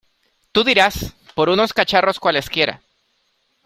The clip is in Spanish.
¡Tú dirás! por unos cacharros cualesquiera.